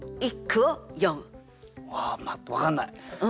あ分かんない。